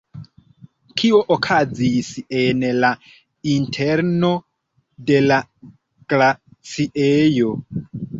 Kio okazis en la interno de la glaciejo?